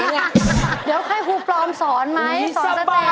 เดี๋ยวใครครูปลอมสอนไหมสอนสเต้น